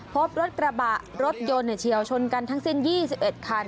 พบรถกระบะรถยนต์เฉียวชนกันทั้งสิ้น๒๑คัน